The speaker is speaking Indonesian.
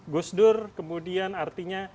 gusdur kemudian artinya